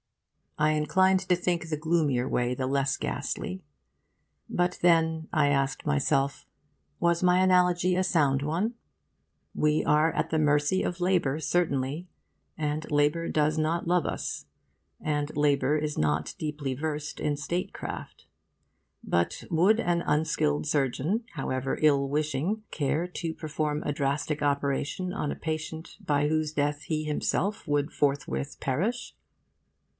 I inclined to think the gloomier way the less ghastly. But then, I asked myself, was my analogy a sound one? We are at the mercy of Labour, certainly; and Labour does not love us; and Labour is not deeply versed in statecraft. But would an unskilled surgeon, however ill wishing, care to perform a drastic operation on a patient by whose death he himself would forthwith perish?